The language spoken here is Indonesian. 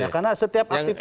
karena setiap aktivitas